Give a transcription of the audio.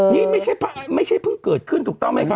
นี่ไม่ใช่เพิ่งเกิดขึ้นถูกต้องไหมคะ